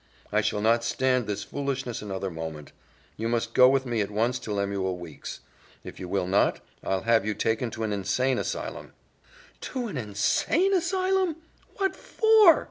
I shall not stand this foolishness another moment. You must go with me at once to Lemuel Weeks'. If you will not, I'll have you taken to an insane asylum." "To an insane asylum! What for?"